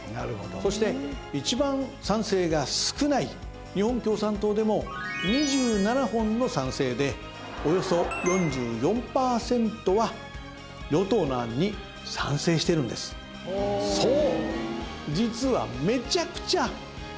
そして一番賛成が少ない日本共産党でも２７本の賛成でおよそ４４％は与党の案に賛成してるんですそう